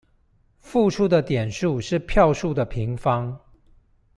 付出的點數是票數的平方